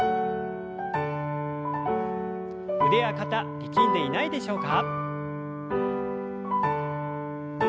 腕や肩力んでいないでしょうか。